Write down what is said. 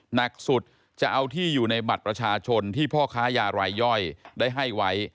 หนักสุดจะเอาที่อยู่ในบัตรประชาชนที่พ่อค้ายารายย่อยได้ให้ไว้